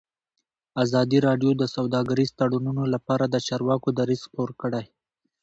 ازادي راډیو د سوداګریز تړونونه لپاره د چارواکو دریځ خپور کړی.